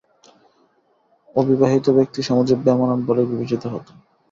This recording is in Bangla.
অবিবাহিত ব্যক্তি সমাজে বেমানান বলেই বিবেচিত হত।